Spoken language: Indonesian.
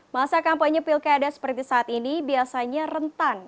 masa kampanye pilkada seperti saat ini biasanya rentan